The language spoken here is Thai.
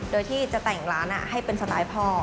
โดยที่จะแต่งร้านให้เป็นสไตล์พ่อ